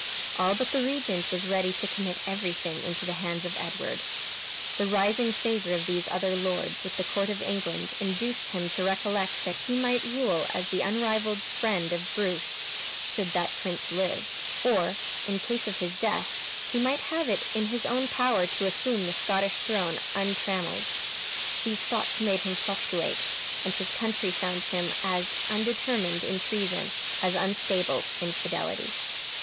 All but the regent was ready to commit everything into the hands of Edward. The rising favor of these other lords with the court of England induced him to recollect that he might rule as the unrivaled friend of Bruce, should that prince live; or, in case of his death, he might have it in his own power to assume the Scottish throne untrammeled. These thoughts made him fluctuate, and his country found him as undetermined in treason as unstable in fidelity.